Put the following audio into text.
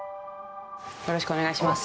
よろしくお願いします